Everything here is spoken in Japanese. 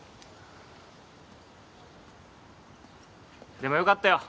でもよかったよ。